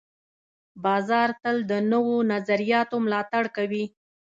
بازار تل د نوو نظریاتو ملاتړ کوي.